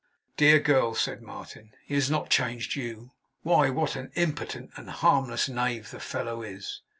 'Dear girl!' said Martin. 'He has not changed you. Why, what an impotent and harmless knave the fellow is!